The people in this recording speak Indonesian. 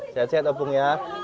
siap siap ibu pung ya